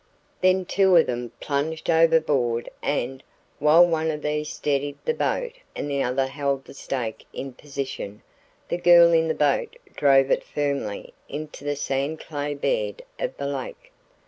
Then two of them plunged overboard and, while one of these steadied the boat and the other held the stake in position, the girl in the boat drove it firmly into the sand clay bed of the lake.